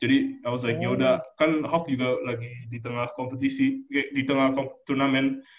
jadi i was like yaudah kan hawk juga lagi di tengah kompetisi di tengah turnamen